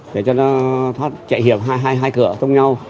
để cho nó thoát chạy hiểm hai cửa thông nhau